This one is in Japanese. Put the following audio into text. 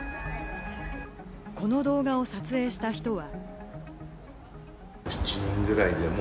この動画を撮影した人は。